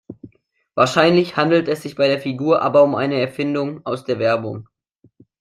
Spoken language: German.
Wahrscheinlich handelt es sich bei der Figur aber um eine Erfindung aus der Werbung.